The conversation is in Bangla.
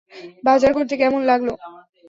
বাজার করতে কেমন লাগল?